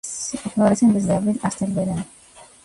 Florecen desde abril hasta el verano.